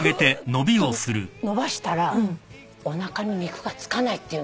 ふっと伸ばしたらおなかに肉がつかないっていう。